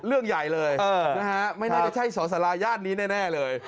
เรื่องใหญ่เลยนะฮะไม่น่าจะใช่สอสาราย่านนี้แน่เลย